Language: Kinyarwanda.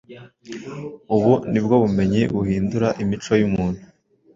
Ubu ni bwo bumenyi buhindura imico y’umuntu.